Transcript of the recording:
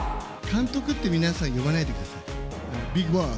監督って皆さん、呼ばないでください。